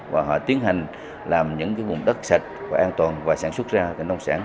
và họ tiến hành làm những vùng đất sạch và an toàn và sản xuất ra nông sản